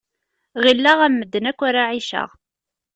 Ɣilleɣ am medden akk ara ɛiceɣ.